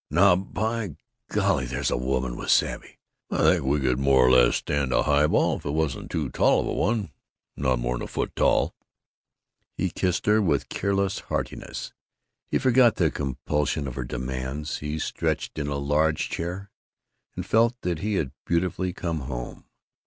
"Now, by golly, there's a woman with savvy! I think we could more or less stand a highball if it wasn't too long a one not over a foot tall!" He kissed her with careless heartiness, he forgot the compulsion of her demands, he stretched in a large chair and felt that he had beautifully come home.